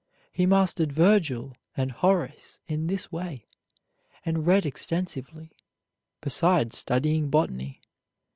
He mastered Vergil and Horace in this way, and read extensively, besides studying botany.